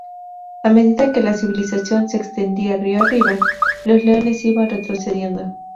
A medida que la civilización se extendía río arriba, los leones iban retrocediendo.